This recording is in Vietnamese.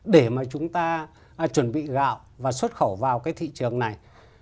để mà chúng ta chuẩn bị gạo và xuất khẩu vào cái thị trường này